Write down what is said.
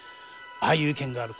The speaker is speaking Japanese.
「こういう意見がある」